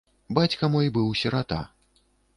Бацька мой быў сірата.